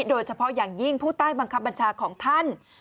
โดยเฉพาะอย่างยิ่งผู้ใต้บังคับบัญชาของท่าน